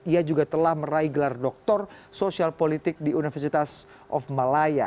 ia juga telah meraih gelar doktor sosial politik di universitas of malaya